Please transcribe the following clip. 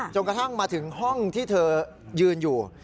กระทั่งมาถึงห้องที่เธอยืนอยู่